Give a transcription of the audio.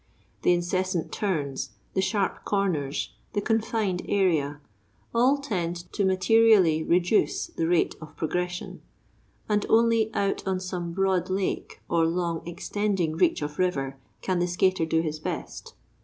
The incessant turns, the sharp corners, the confined area, all tend to materially reduce the rate of progression; and only out on some broad lake or long extending reach of river can the skater do his best.